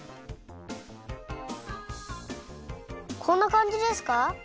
こんなかんじですか？